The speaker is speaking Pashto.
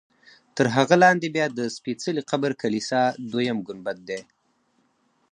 تر هغه لاندې بیا د سپېڅلي قبر کلیسا دویم ګنبد دی.